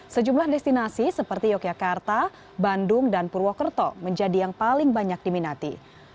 sejumlah destinasi seperti yogyakarta bandung dan purwokerto menjadi yang paling banyak diminati